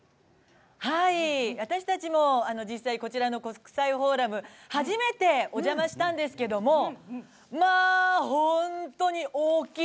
私たちも実際こちらの国際フォーラム初めてお邪魔したんですけどまあ、本当に大きい。